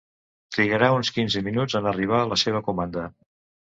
Trigarà uns quinze minuts en arribar la seva comanda.